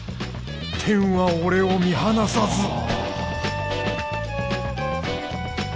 天は俺を見放さず！